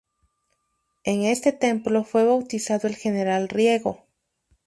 En este templo fue bautizado el general Riego.